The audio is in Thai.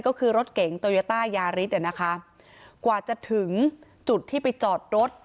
ก็คือรถเก๋งโตโยต้ายาริสอ่ะนะคะกว่าจะถึงจุดที่ไปจอดรถ